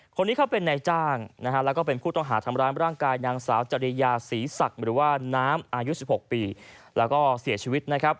คนนี้เขาเป็นนายจ้างนะฮะแล้วก็เป็นผู้ต้องหาทำร้ายร่างกายนางสาวจริยาศรีศักดิ์หรือว่าน้ำอายุ๑๖ปีแล้วก็เสียชีวิตนะครับ